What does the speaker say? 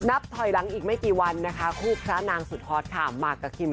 นับถอยหลังอีกไม่กี่วันนะคะคู่พระนางสุดฮอตค่ะมากับคิม